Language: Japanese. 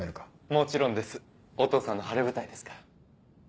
もちろんですお父さんの晴れ舞台ですから。